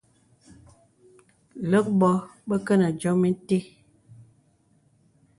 Lə̀k bò bə kə nə diōm itə̀.